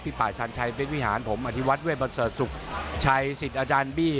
ที่ฝ่ายชันชัยเบียดวิหารผมอธิวัตเวทบัตเซอร์สุกชัยสิทธิ์อาจารย์บี้